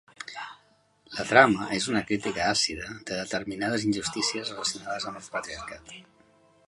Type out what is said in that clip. La trama és una crítica àcida de determinades injustícies relacionades amb el patriarcat.